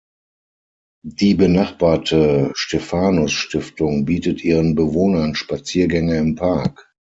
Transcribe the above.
Die benachbarte Stephanus-Stiftung bietet ihren Bewohnern Spaziergänge im Park.